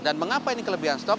dan mengapa ini kelebihan stok